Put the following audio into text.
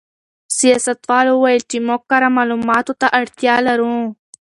سیاستوال وویل چې موږ کره معلوماتو ته اړتیا لرو.